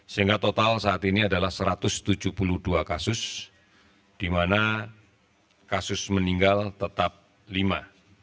sehingga total saat ini adalah satu ratus tujuh puluh dua kasus di mana kasus meninggal tetap lima